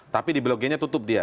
tapi di blok g nya tutup dia